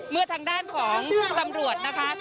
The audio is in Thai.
เมื่อทางด้านของตำรวจนะคะ